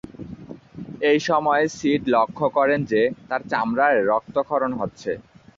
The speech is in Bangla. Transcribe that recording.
এই সময় সিড লক্ষ করেন যে, তার চামড়ায় রক্তক্ষরণ হচ্ছে।